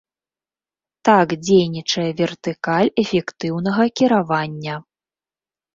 Так дзейнічае вертыкаль эфектыўнага кіравання.